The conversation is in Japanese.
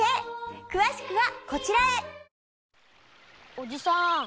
おじさん